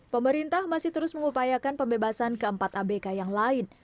pemerintah masih terus mengupayakan pembebasan keempat abad